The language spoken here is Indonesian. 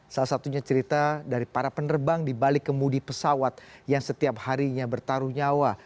salah satunya cerita dari para penerbang di balik kemudi pesawat yang setiap harinya bertaruh nyawa